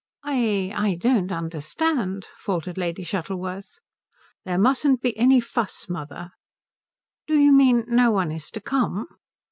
"I I don't understand," faltered Lady Shuttleworth. "There mustn't be any fuss, mother." "Do you mean no one is to come?"